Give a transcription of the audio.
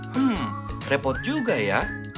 hmm repot juga ya